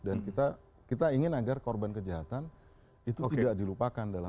dan kita ingin agar korban kejahatan itu tidak dilupakan dan tidak terlalu banyak yang terjadi